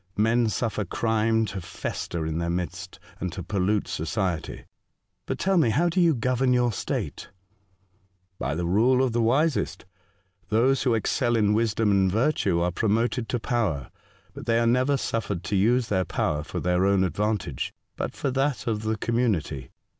Men suffer crime to fester in their midst, and to pollute society. But tell me how do you govern your state ?"'' By the rule of the wisest. Those who excel in wisdom and virtue are promoted to power ; but they are never suffered to use their power for their own advantage, but for that of the community.